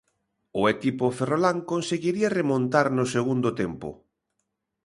O equipo ferrolán conseguiría remontar no segundo tempo.